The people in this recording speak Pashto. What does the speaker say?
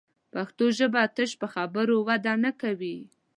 پښتو ژبه تش په خبرو وده نه کوي